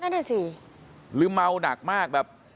ได้สิหรือเมาหนักมากแบบ